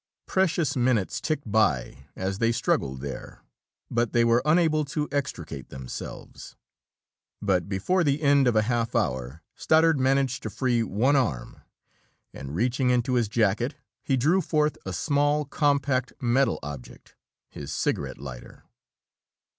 Precious minutes ticked by as they struggled there, but they were unable to extricate themselves. But before the end of a half hour, Stoddard managed to free one arm, and reaching into his jacket he drew forth a small, compact metal object his cigarette lighter.